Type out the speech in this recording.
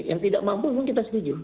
yang tidak mampu memang kita setuju